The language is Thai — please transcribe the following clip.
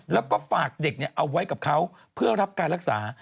แล้วก็ฝากเด็กเอาไว้กับเขาเพื่อรับการรักษา